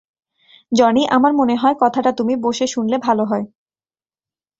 Johnny, আমার মনে হয়, কথাটা তুমি বসে শুনলে ভালো হয়।